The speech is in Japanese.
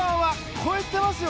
超えてますよ！